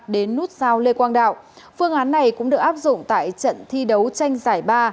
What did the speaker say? đến nút giao lê quang đạo phương án này cũng được áp dụng tại trận thi đấu tranh giải ba